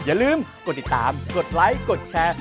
อย่าลืมกดติดตามกดไลค์กดแชร์